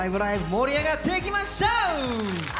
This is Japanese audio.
盛り上がっていきましょう！